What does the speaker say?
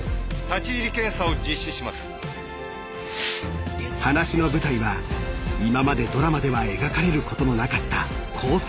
「立ち入り検査を実施します」［話の舞台は今までドラマでは描かれることのなかった］